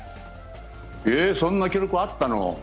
えっ、そんな記録あったの？